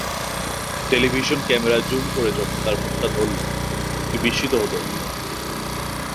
Television camera zoom করে যখন তাঁর মুখটা ধরল, একটু বিস্মিত হতে হলো।